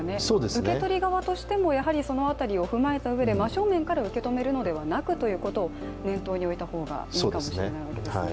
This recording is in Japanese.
受け取り側としてもやはりそのあたりを踏まえた上で、真正面から受け止めるのではなくということを念頭に置いたほうがいいかもしれないわけですね。